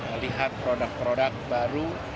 melihat produk produk baru